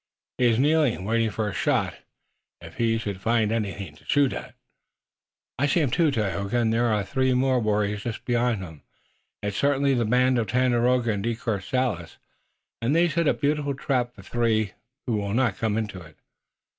He is kneeling, waiting for a shot, if he should find anything to shoot at." "I see him, too, Tayoga, and there are three more warriors just beyond him. It's certainly the band of Tandakora and De Courcelles, and they've set a beautiful trap for three who will not come into it."